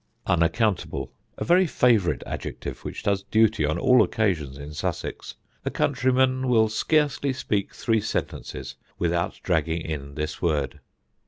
Unaccountable: A very favourite adjective which does duty on all occasions in Sussex. A countryman will scarcely speak three sentences without dragging in this word.